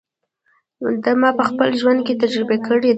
دا ما په خپل ژوند کې تجربه کړې ده.